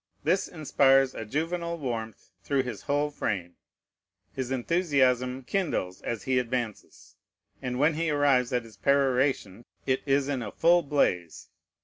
This inspires a juvenile warmth through his whole frame. His enthusiasm kindles as he advances; and when he arrives at his peroration, it is in a full blaze.